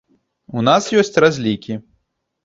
У нас ёсць разлікі.